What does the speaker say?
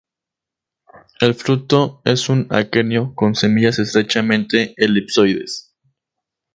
El fruto es un aquenio con semillas estrechamente elipsoides.